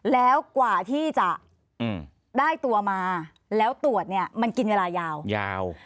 แล้วกว่าที่จะได้ตัวมาแล้วตรวจเนี่ยมันกินเวลายาวยาว